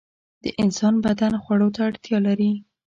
د انسان بدن خوړو ته اړتیا لري.